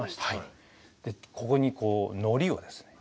ここにこうのりをですね